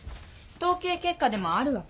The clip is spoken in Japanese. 統計結果でもあるわけ？